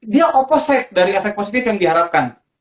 dia opposate dari efek positif yang diharapkan